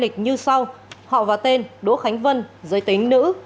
liên quan có nhân thân lai lịch như sau họ và tên đỗ khánh vân giới tính nữ